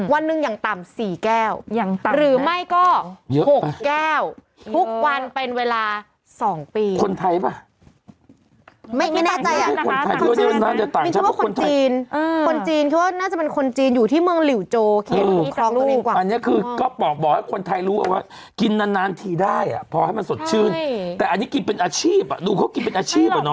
วันหนึ่งอย่างต่ำ๔แก้วหรือไม่ก็๖แก้วปี